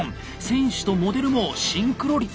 選手とモデルもシンクロ率１００％！